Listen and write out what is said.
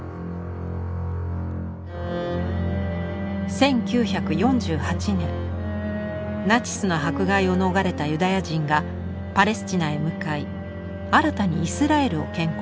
１９４８年ナチスの迫害を逃れたユダヤ人がパレスチナへ向かい新たにイスラエルを建国。